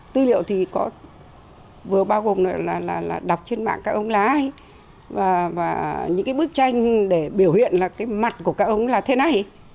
tư liệu thì có vừa bao gồm là đọc trên mạng các ông là ai và những bức tranh để biểu hiện mặt của các ông là thế này thì phải vẽ như vậy